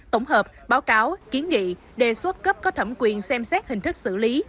tổng hợp báo cáo kiến nghị đề xuất cấp có thẩm quyền xem xét hình thức xử lý